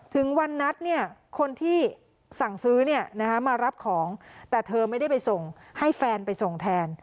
ถึงวันนัดเนี่ยคนที่สั่งซื้อมารับของแต่เธอไม่ได้ไปส่งให้แฟนไปส่งแทน